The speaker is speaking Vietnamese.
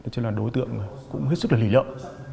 thế nên là đối tượng cũng hết sức là lỷ lợn